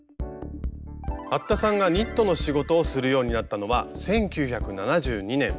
服田さんがニットの仕事をするようになったのは１９７２年。